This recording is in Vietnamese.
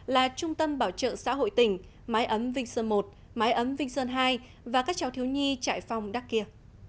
là trung tâm bảo trợ xã hội tỉnh mái ấm vinh sơn một mái ấm vinh sơn hai và các cháu thiếu nhi trại phong đắc kia